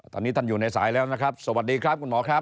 ตอนนี้ท่านอยู่ในสายแล้วนะครับสวัสดีครับคุณหมอครับ